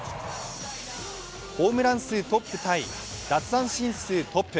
ホームラントップ対奪三振数トップ。